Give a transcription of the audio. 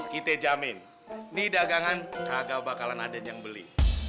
kita jamin nih dagangan kagak bakalan ada yang beli